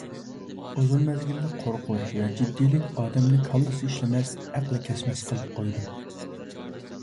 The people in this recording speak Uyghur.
ئوزۇن مەزگىللىك قورقۇنچ ۋە جىددىيلىك ئادەمنى كاللىسى ئىشلىمەس، ئەقلى كەسمەس قىلىپ قويىدۇ.